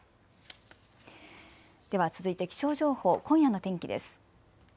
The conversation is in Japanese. では続いて気象情報、今夜の天気です。